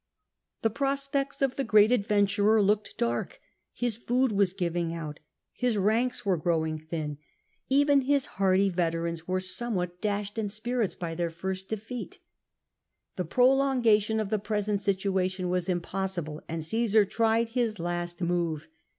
The prospects of the great adventurer looked dark : his food was giving out, his ranks were growing thin, even THE BATTLE OF DYKRHACHIUM 285 his hardy veterans were somewhat dashed in spirits by their first defeat. The prolongation of the present situa tion was impossible, and Cmsar tried his last move.